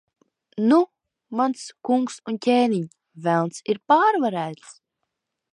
Nu, mans kungs un ķēniņ, Velns ir pārvarēts.